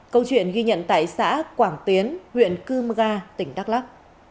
câu chuyện ghi nhận tại xã quảng tiến huyện cưm ga tỉnh đắk lắk